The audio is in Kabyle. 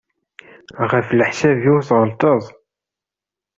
Ɣef leḥsab-iw tɣelṭeḍ.